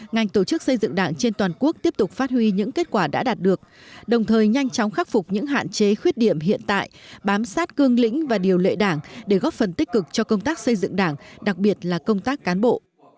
ngành tổ chức xây dựng đảng trên toàn quốc tiếp tục phát huy những kết quả đã đạt được đồng thời nhanh chóng khắc phục những hạn chế khuyết điểm hiện tại bám sát cương lĩnh và điều lệ đảng để góp phần tích cực cho công tác xây dựng đảng đặc biệt là công tác cán bộ